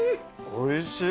おいしい。